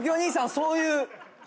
そういう。